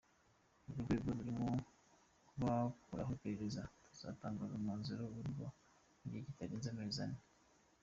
Urwo rwego rurimo kubakoraho iperereza ruzatangaza umwanzuro warwo mu gihe kitarenze amezi ane.